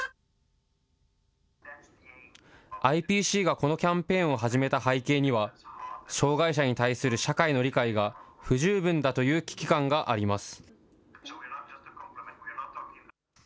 ＩＰＣがこのキャンペーンを始めた背景には、障害者に対する社会の理解が不十分だという危機感があります。